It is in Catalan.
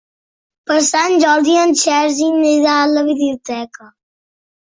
Per Sant Jordi en Sergi anirà a la biblioteca.